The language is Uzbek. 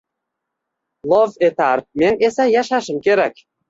Lov etar… Men esa yashashim kerak…”